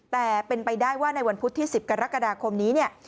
แต่เป็นไปได้ว่าในวันพุธที่๑๐กรกฎาคมนี้เนี่ย